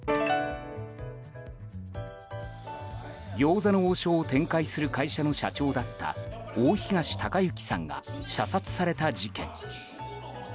餃子の王将を展開する会社の社長だった大東隆行さんが射殺された事件。